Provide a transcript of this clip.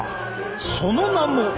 その名も。